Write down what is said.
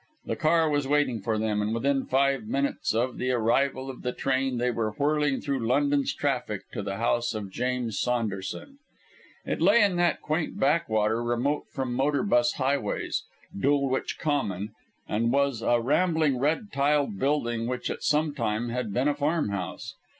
The car was waiting for them; and within five minutes of the arrival of the train they were whirling through London's traffic to the house of James Saunderson. It lay in that quaint backwater, remote from motor bus high ways Dulwich Common, and was a rambling red tiled building which at some time had been a farmhouse.